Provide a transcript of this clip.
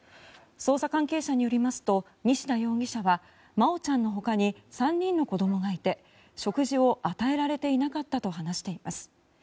捜査関係者によりますと西田容疑者は真愛ちゃんのほかに３人の子どもがいて食事を与えられていなかったと話しています。